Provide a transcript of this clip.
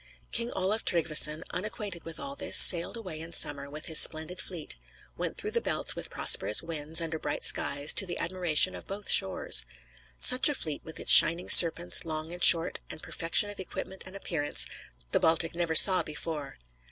] King Olaf Tryggveson, unacquainted with all this, sailed away in summer, with his splendid fleet; went through the Belts with prosperous winds, under bright skies, to the admiration of both shores. Such a fleet, with its shining Serpents, long and short, and perfection of equipment and appearance, the Baltic never saw before.